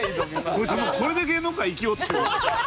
こいつもうこれで芸能界生きようとしてるよな。